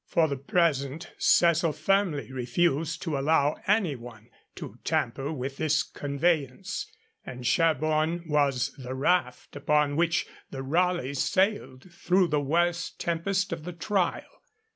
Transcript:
For the present Cecil firmly refused to allow anyone to tamper with this conveyance, and Sherborne was the raft upon which the Raleighs sailed through the worst tempest of the trial.